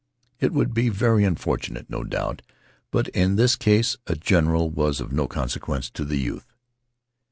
It would be very unfortunate, no doubt, but in this case a general was of no consequence to the youth.